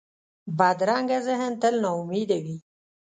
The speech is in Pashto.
بدرنګه ذهن تل ناامیده وي